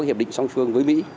hiệp định song phương với mỹ